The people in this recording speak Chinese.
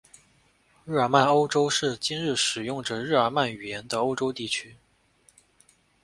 日耳曼欧洲是今日使用着日耳曼语言的欧洲地区。